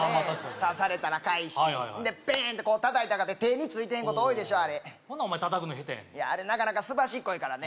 刺されたらかいいしんでペーンっとこう叩いたかて手についてへんこと多いでしょほんならお前叩くのヘタやねんあれなかなかすばしっこいからね